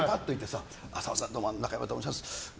さんまさんどうも中山と申します